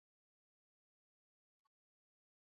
Kujiunga na mwaka elfumoja miatisa sitini na tisa